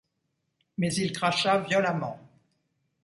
Mais il cracha violemment.